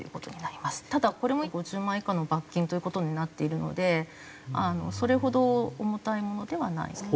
ただこれも５０万円以下の罰金という事になっているのでそれほど重たいものではないですけど。